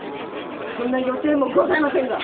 そんな予定もございませんが。